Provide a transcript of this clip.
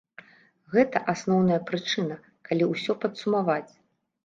Гэта асноўная прычына, калі ўсё падсумаваць.